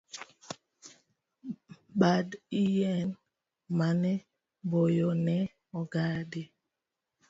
Bad yien mane boyo ne ong'adi